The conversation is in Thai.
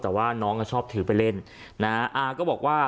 แต่ว่าน้องก็ชอบถือไปเล่นนะฮะอาก็บอกว่า